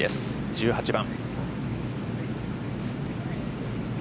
１８番。